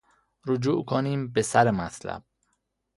رجوع کنیم بسر مطلب